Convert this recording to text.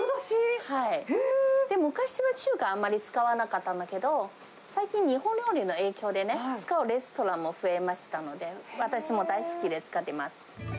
昔は中華、あんまり使わなかったんだけど、最近、日本料理の影響でね、使うレストランも増えましたので、私も大好きで使ってます。